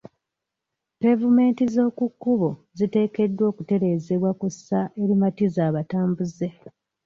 Pevumenti z'oku kkubo ziteekeddwa okutereezebwa ku ssa erimatiza abatambuze.